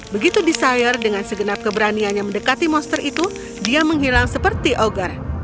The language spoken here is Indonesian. begitu desire dengan segenap keberaniannya mendekati monster itu dia menghilang seperti ogger